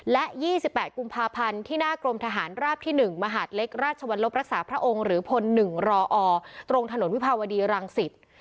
และ๒๘กุมภาพันธ์ที่หน้ากรมทหารราบที่๑มหาดเล็กราชวรรลบรักษาพระองค์หรือพล๑รอตรงถนนวิภาวดีรังสิต